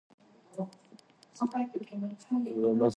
家ってどこだっけ